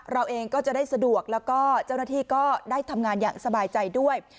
เราก็เองก็จะได้สะดวกแล้วก็เจ้าหน้าที่ก็ได้ทำงานอย่างสบายใจด้วย